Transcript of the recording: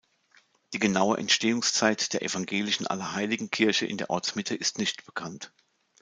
Die genaue Entstehungszeit der evangelischen Allerheiligenkirche in der Ortsmitte ist nicht bekannt.